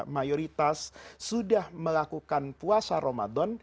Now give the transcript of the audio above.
mayoritas sudah melakukan puasa ramadan